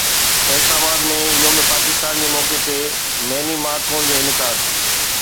فيصل آباد ۾ يوم پاڪستان جي موقعي تي ميني مارٿون جو انعقاد